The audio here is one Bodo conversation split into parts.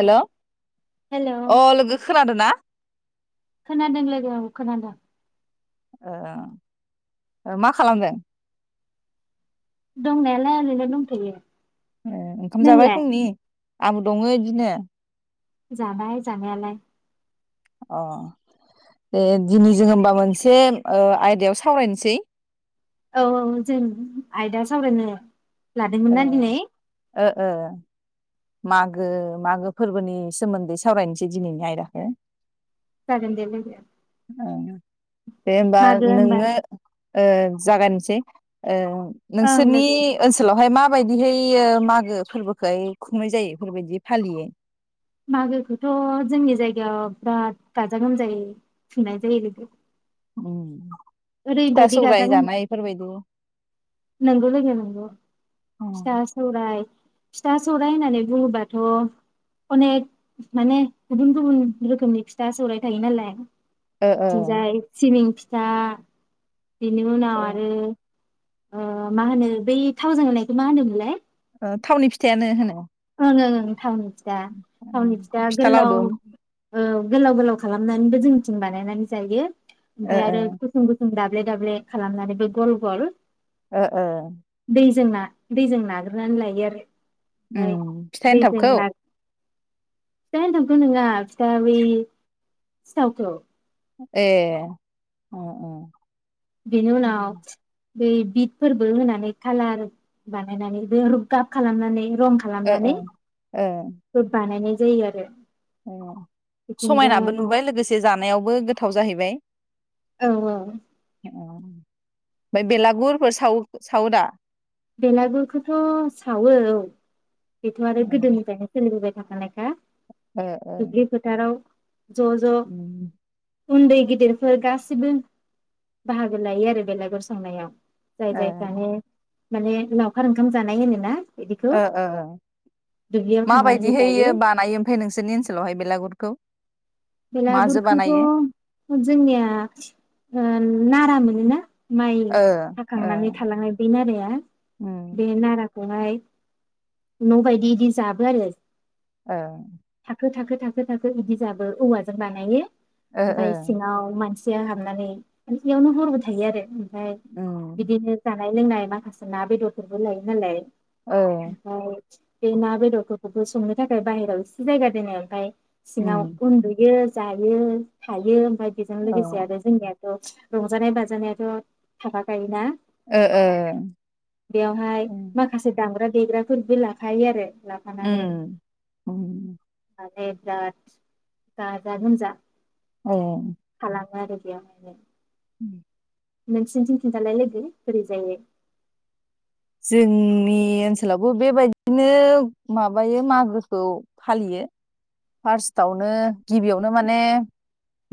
हेल' अ हेल' लोगो खोनादो ना? खोनादों लोगो औ खोनादों ओ ओ मा खालामदों? दंनायालाय ओरैनो दंथ'यो । ए ओंखाम जाबाय फुंनि? आंबो दङो इदिनो जाबाय जानायालाय । अ दे दिनि जोङो ओमबा मोनसे ओ आयदायाव सावरायनिसै । औ औ जों आयदा सावरायनो ओ लादोंमोनना दिनै ओ ओ मागो मागो फोरबोनि सोमोनदै सावरायनिसै दिनैनि आयदाखो जागोनदे लोगों । दे ओमबा होनबा नोङो ओ जागा जे ओ ओं नोंसोरनि लोगो ओनसोलावहाय मा? बेफोरबायदिहै मागो फोरबोखोहाय खुंनाय जायो बेफोरबायदि फालियो । मागोखौथ' जोंनि जायगायाव बिराद गाजा-गोमजायै खुंनाय जायो लोगो । ओम गाजा फिथा-सौराय गोम जानाय बेफोरबायदि नोंगौ लोगो नोंगौ फिथा- सौराय फिथा-सौराय होननानै बुङोबाथ' अनेख माने गुबुन गुबुन रोखोमनि फिथा-सौराय थायो नालाय ओ थिंजाय सिबिं फि जा बिनि उनाव ओ आरो ओ मा होनो बै थावजों एवनायखौ मा होनोमोनलाय? ओ थावनि फिथायानो होनो होनो ओं नोंथां फिथा थावनि ओ, फिथा गोलाव लावदुम औ गोलाव गोलाव खालामनानैबो जोंनिथिं बानायनानै जायो ओ ओमफाय ओ आरो गुसुं गुसुं दा ब्ले दाब्ले खालामनानैबो गल गल ओ ओ दैजो ना दैजों नाग्रोनानै लायो आरो ओमफ्राय ओम फिथा दैजों एनथाबखौ ना फिथा एन्थाबखो नोङा फिथा बै सिथावखौ ए उम उम बेनि उनाव बै बिदफोरबो होनानै कालार बानायनानै बो रुब गाब खालामनानै रं ओ ओ खालामनानै बो बानायनाय जायो आरो ए बिथिंजाय समायनाबो आरो नुबाय लोगोसे जानायावबो गोथाव जाहैबाय औ औ ओम ओमफ्राय बेलागुरफोर साव सावोदा बेलागुरखौथ' सावो औ बेथ' आरो ओ गोदोनिफ्रायनो सोलिबो थाखानायखा ओ दुब्लि फोथाराव ज' उम ज' उन्दै गेदेरफोर गासिबो बाहागो लायो आरो बेलागुर सावनायाव जाय ओ जायफ्रानो माने लावखार ओंखाम जानाय होनो ना ओ ओ ओ माबायदि थांनानैसो हैयो जायो बानायो ओमफ्राय नोंसोरनि ओनसोलावहाय बेलागुरखौ माजो बेलागुरखौथ' बानायो जोंनिया ओ ना रा मोनो ना माइ ओ ओ हाखांनानै थालांनाय बै नाराया उम बे नारा बहाय न' बायदि इदि जाबो आरो ओं थाखो थाखो थाखो थाखो बिदि जाबो औवाजों बानायो ओ ओमफाय ओ सिङाव मानसि सिया हाबनानै मानसियावनो हरबो थायो आरो ओमफ्राय उम बिदिनो जा जानाय लोंनाय माखासे ना बेदरफोरबो लायो नालाय ओ ओमफाय बे ना बेदरफोरखौबो संनो थाखाय बाहेराव एसे जायगा दोनो ओमफाय सिङाव उम उन्दुयो जायो थायो बाइदि जों ओ लोगोसे जोंनिया रंजानाय बाजानायाथ' थाफाखायोना बेयावहाय माखासे दामग्रा ओ-ओ देग्राफोरबो लाखायो आरो लाफानानै आरो [inaudible] गाजा गोमजा औ [inaudible] उम नोंसिनिथिं खिन्थानलाय लोगो बोरै जायो जोंनि ओनसोलावबो बेबायदिनो माबायो मागोखौ फालियो फार्स्टआवनो गिबियावनो माने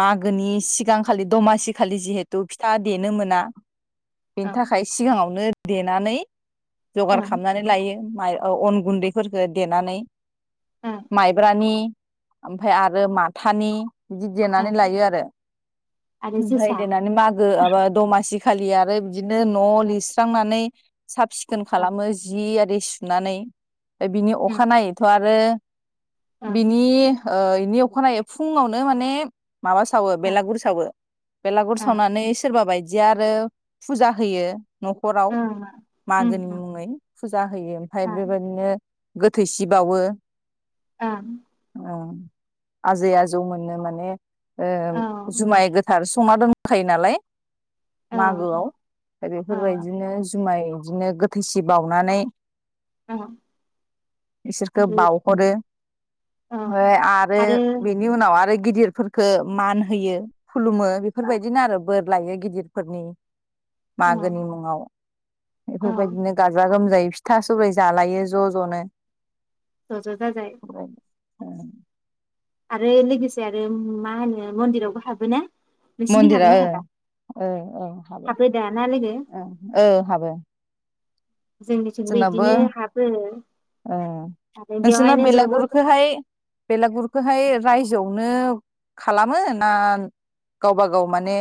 मागोनि सिगांखालि दमासि खालि जिहेथु फिथा देनो मोना बेनि ओं थाखाय सिगाङावनो देनानै जगार ओं खालामनानै लायो माइ ओ अन गुन्दैफोरखो देनानै ओं माइब्रानि ओमफ्राय आरो माथानि बिदि देनानै ओं लायो आरो आरो ओमफ्राय जोसा देनानै मागो ओं एबा दमासि खालि आरो बिदिनो न' लिरस्रांनानै साफ सिखोन ओं खालामो जि आरि सुनानै बिनि ओं अखानायैथ' आर‌ बो ओं बिनि इनि अखानायै फुङावनो माने माबा सावो ओं बेलागुर सावो बेलागुर सावनानै सोरबा बायदिया आरो फुजा होयो न'खराव ओं ओं मागोनि ओं मुङै फुजा होयो ओमफ्राय बेबायदिनो गोथैसि बावो ओम ओम‌ आजै आजौ मोननो माने ओ औ जुमाय गो सार संना दंखायो नालाय मागोआव बेफोरबायदिनो जुमाय बिदिनो गोथैसि बावनानै [unintelligible] बिसोरखौ आरो बाावहरो औ आरो बेनि उनाव आरो गिदिरफोर फोरखौ मान होयो खुलुमो बेफोरबायदिनो आरो बोर लायो गिदिरफोरनि औ मागोनि मुङाव औ बेफोरबायदिनो गाजा-गोमजायै फिथा-सौराय जालायो ज' ज'नो ज'ज' जाजाय औ आरो लोगोसे आरो मा होनो मनदिरावबो हाबोना नोंसिनिथिं मनदिरा हाबोना ओ हाबा ओ ओ हाबो दा ना लोगो ओ ओहाबो जोंनिथिंबो जोंनाबो बिदिनो हाबो ओ आरो नोंसिना बेवहायनो ज' ज' बेलागुरखौहाय बेलागुरखौहाय रायजोआव नो खालामो ना गावबा-गाव माने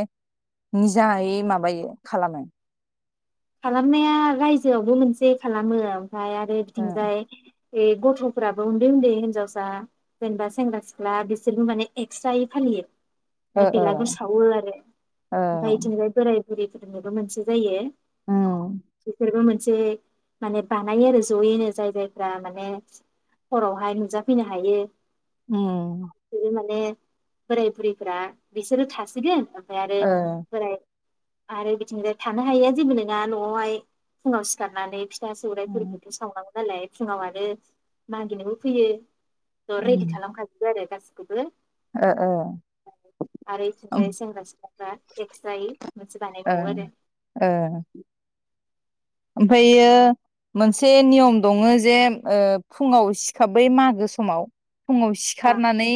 निजाहै माबायो खालामो खालामनाया रायजोयावबो मोनसे खालामो ओमफ्राय आरो ओ बिथिंजाय ए गथ'फोराबो उनदै उनदै हिनजावसा जेनेबा सेंग्रा-सिख्ला बिसोरबो माने एक्सट्रायै ओ फालियो बेलागुर ओ सावो आरो ओ ओमफ्राय बिदिनोजाय बोराय- बुरिफोरनाबो मोनसे जायो उम बिसोरबो मोनसे माने बानायो आरो जयैनो जाय जायफ्रा माने हरावहाय नुजाफैनो हायो ओम बिसोरो माने बोराय बुरैफोरा बिसोरो थासिगोन ओमफ्राय आरो ओ बोराय - आरो बिदिनि थानो हायैया जेबो नोङा न'आवहाय फुङाव सिखारनानै फिसा उम सौरायफोरबोथ' सावनांगौ नालाय फुङाव आरो मागिनोबो फैयो ज' रेडि खालाम खाजोबबो आरो गासैखौबो ओ ओ आरो ओम इथिंजाय सेंग्रा-सिख्लाफ्रा एक्स्रायै मोनसे ओ बानायबावो आरो ओ ओमफ्रायो मोनसे नियम दङ'जे ओ फुङाव सिखाब बै मागो समाव फुङाव अ सिखारनानै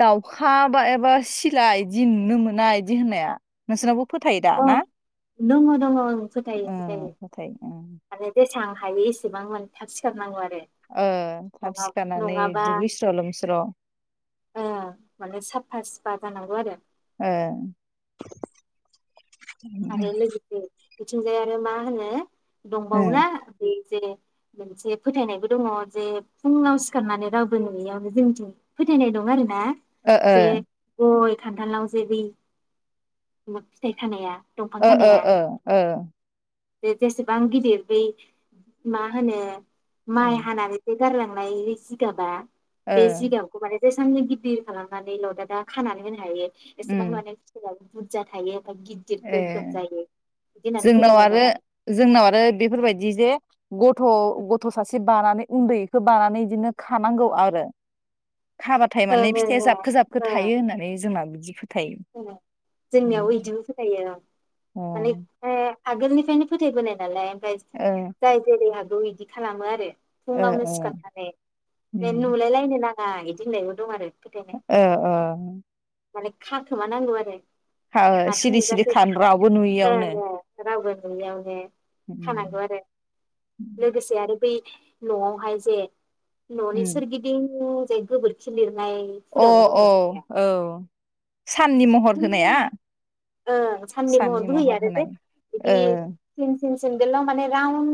दाउखा बा एबा सिला इदि नुनो मोना बिदि होननाया नोंसोरनावबो फोथायो दा अ ना? दङ' दङ' ओं फोथायो ओं फोथायो फोथायो ओं आरो जेसबां हायो एसेबां माने थाब सिखारनांगौ आरो थाब नङा सिखारनानै नङाबा दुगैस्र' लोमस्र' ओ माने साफा सुफा जानांगौ आरो ए आरो लोगोसे बिथिंजाय आरो मा होनो ओ दंबावोना बै जे मोनसे फोथायनायबो दङ जे फुङाव सिखारनानै रावबो नुयियावनो जोंनिथिं फोथायनाय दं आरो ना ओ जे गय खान्थालाव जे बै फिथाइ खानाया दंफां औ खानाया औ जेसेबां गिदिर बै मा होनो माइ हानानानै गारलांनाय जिगाबा ओ बेे जिगाबखौ माने जेसांनि गिदिर खालामनानै ल'दा दा खानानै होनो हायो एसेबां उम माने फिथाइ बुरजा थायो‌‌ ओमफ्राय गि ए जोंनाव फोथायनाय आरो दं जोंनाव आरो बेफोरबायदि जे गथ' गथ' गथ' सासे बानानै उन्दैखौ बानानै बिदिनो खानांगौ आरो खाबाथाय ओं माने ओं फिथाइया जाबखो जाबखो थायो होननानै जोंना बिदि ज जोंनियावबो बिदिनो फोथायो यो औ ओ माने आगोलनिफ्रायनो फोथायबोनाय नालाय ओ जाय जेरै हागौ बे बिदि खालामो आरो फुङावनो ओ सिखारनानै बे उम नुलायलायनो नाङा इदि ‌होननायबो दं आरो औ औ मा खाखोमा नांगौ आरो मानसि सिरि सिरि नुजासेै खान रावबो ओ नुयियावनो रावबो नुयियावनो खानांगौ आरो लोगोसे आरो बै नवावहाय जे न'नि उम सोरगिदिं बे गोबोरखि लिर अ अ औ साननि महर होनाया ओं सानि साननि महरबो होयो महर आरो जे होनाय बिदि ओ फिन सेनदेलाव माने रावन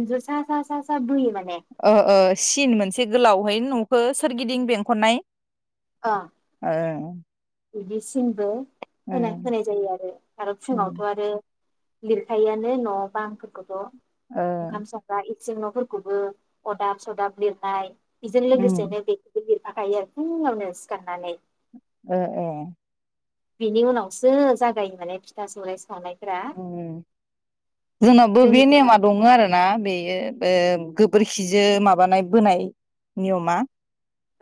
इन्जुर सा सा बोयो माने ओ ओ सिन मोनसे गोलाव हाय न'खौ सोरगिदिं बेंखननाय ओं बिदिसिनबो होना होनाय जायो आरो आरो उम फुङावथ' आरो लिरखायोआनो न'बा फोरखौथ' ओ ओंखाम संग्रा इ जों न'फोरखौबो अरदाब सदाब लिरनाय बेजों उम लोगोसेनो बेखौबो लि हाखायो फुङावनो सिखारनानै ओ ओ बिनि उनावसो जागायो माने फिथा सौराइ सावनायफोरा उम जोंनावबो बे नेमा दङ आरो ना बे बेयो ओ गोबोरखिजों माबा माबानाय बोनाय नियमा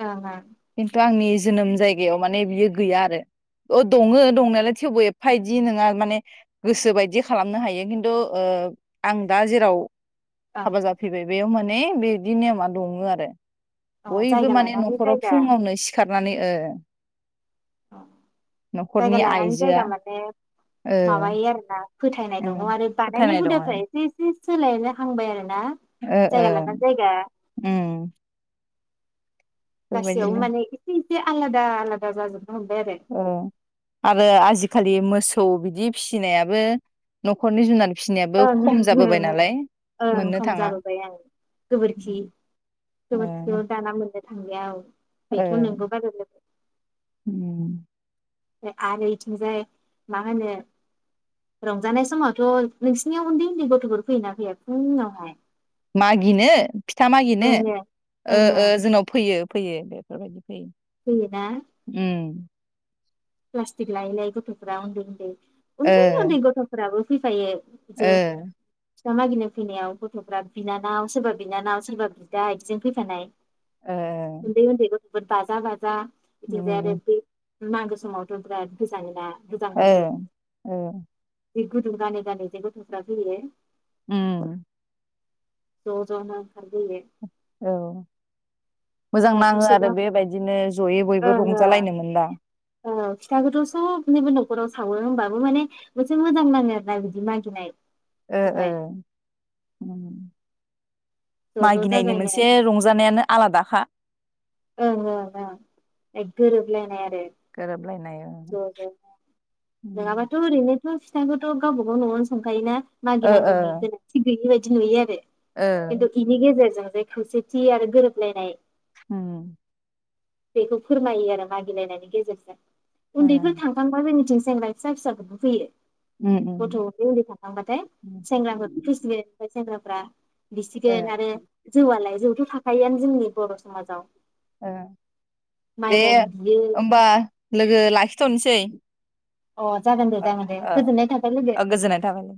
ओं खिन्थु आंनि जोनोम जायगायाव माने बियो गैया आरो अ दङ दंनायालाय थेवबो एफादि नङा माने गोसो बायदि खालामनो हायो खिन्थु ओ आं दा जेराव ओं हाबा जाफिबाय बेयाव माने बेदि नेमा दङो आरो ओं अ बयबो जायगा माने लानानै न'खराव जायगा फुङावनो सिखार नानै ओ जायगा न'खरनि लानानै आइजोआ जायगा माने ओ माबायो आरो ना फोथायनाय उम दङ आरो फोथायनाय बानायनाय दङ हुदाफ्रा एसे एसे सोलाय हांबाय आरो ओ ओ ओम गासियावबो माने इसे आलादा आलादा जाजोब ओ आरो आजिखालि मो मोसौ बिदि फिसिनायाबो न'खरनि जुनार फिसिनायाबो ओं खम जाबोबाय ओं नालाय मोननो ओंखाम थाङा जाबोबाय आं गोबोरखि ओ गोबोरखियाव दाना मोनदों [unintelligible] बेथ' नोंगौ [unintelligible] ओम आरो बेथिंजाय मा होनो रंजानाय समावथ' नोंसिनियाव उन्दै उन्दै गथ'फोर फैयोना फैया फुङावहाय मागिनो फिथा मागिनो ओं ओं ओ ओं ओ ओं जोंनाव फैयो फैयो बेफोरबायदि ओम प्लासटिक लायै लायै गथ'फोरा उनदै उनदै उनदै ओ उनदै गथ'फ्राबो फैफायो ओ जे फिथा मागिनो फैनायाव गथ'फ्रा बिनानाव सोरबा बिनानाव सोरबा बिदा बिदिजों फैफानाय ओ उनदै उनदै गथ' बाजा बाजा बिदिबो आरो उम मागो समावथ' बिराद गोजाङोना औ औ जि गुदुं गानै गानै जे गथ'फ्रा फैयो ओम ज' ज' नो ओंखारबोयो औ मोजां नाङो आरो न'खरसेयाव बेबायदिनो जयै बयबो ओंं रंजालायनो मोनबा ओं फिथाखौथ' सबनिबो न'खराव सावो होमबाबो माने मोनसे मोजां नाङो आरो ना बिदि मागिनाय ओह ओह ज' ज' मागिनायनि जाजायनो मोनसे रंजानायानो आलादाखा ओं ओं ओं ए गोरोबलायनाय आरो गोरोब [unintelligible] उम नङाबाथ' ओरैनो हा फिथाखौथ' गावबागाव नआवनो संखायो ना ओ ओ मागिनांगौनि गोनांथि गैयि बादि बिदि नुयो आरो ओ खिनथु इनि गेजेरजों खौसेथि आरो गोरोबलायनाय [unintelligible] बेखौ फोरमायो आरो मागिलायनायनि गेजेरजों ओ उन्दैफोर थांखांबा जोंनिथिं [unintelligible] फिसा फिसाफोरबो फैयो उम उम गथ' उथै उन्दै थांखांबाथाय सेंग्राफोर फैसिगोन ओफ्राय सेंग्रा [unintelligible] ओ बिसिगोन आरो जौआलाय जौथ' थाखायोआनो जोंनि बर' समाजाव दे माइब्रानि बियो होमबा लोगो लाखि थ'नोसै अ जागोन दे जागोन दे गोजोननाय थाबाय लोगो ओ गोजोननाय थाबाय